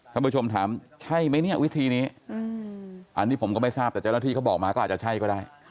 ท่านผู้ชมถามใช่ไหมเนี่ยวิธีนี้อันนี้ผมก็ไม่ทราบแต่เจ้าหน้าที่เขาบอกมาก็อาจจะใช่ก็ได้